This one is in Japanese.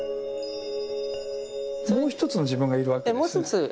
もう一つの自分がいるわけですね。